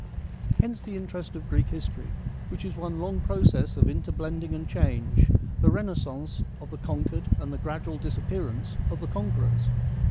Hence the interest of Greek history, which is one long process of inter blending and change : the renascence of the conquered and the gradual dis appearance of the conquerors.